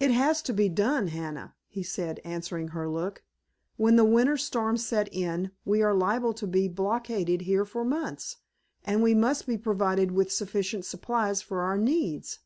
"It has to be done, Hannah," he said, answering her look. "When the winter storms set in we are liable to be blockaded here for months, and we must be provided with sufficient supplies for our needs.